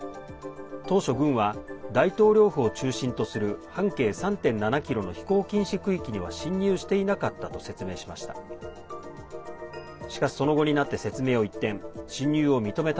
当初、軍は大統領府を中心とする半径３．７ｋｍの飛行禁止区域には侵入していなかったと説明しました。